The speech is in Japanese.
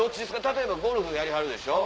例えばゴルフやりはるでしょ。